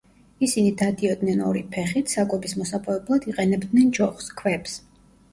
ისინი დადიოდნენ ორი ფეხით, საკვების მოსაპოვებლად იყენებდნენ ჯოხს, ქვებს.